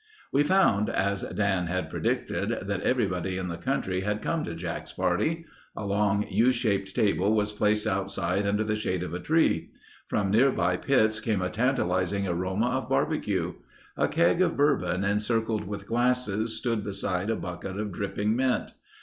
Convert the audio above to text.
We found, as Dan had predicted, that everybody in the country had come to Jack's party. A long U shaped table was placed outside under the shade of a tree. From nearby pits came a tantalizing aroma of barbecue. A keg of bourbon encircled with glasses stood beside a bucket of dripping mint.